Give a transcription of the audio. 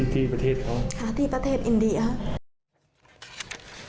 ที่ประเทศเขาค่ะที่ประเทศอินเดียครับ